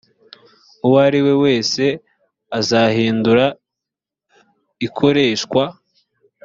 uwo ari we wese uzahindura ikoreshwa